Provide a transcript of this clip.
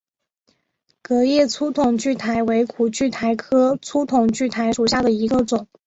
革叶粗筒苣苔为苦苣苔科粗筒苣苔属下的一个种。